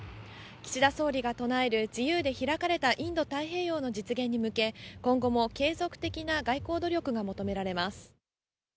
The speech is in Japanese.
岸田総理が唱える、自由で開かれたインド太平洋の実現に向け、今後も継続的な外交努力が求められます。